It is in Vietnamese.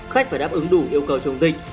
khách phải đáp ứng đủ yêu cầu chống dịch